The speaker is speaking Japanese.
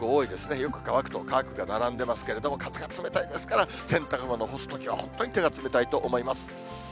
よく乾くと乾くが並んでますけれども、風が冷たいですから、洗濯物、干すときは本当に手が冷たいと思います。